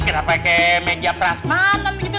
kenapa pake meja prasman